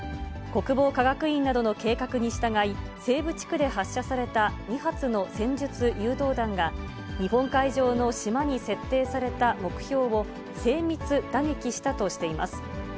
国防科学院などの計画に従い、西部地区で発射された２発の戦術誘導弾が、日本海上の島に設定された目標を精密打撃したとしています。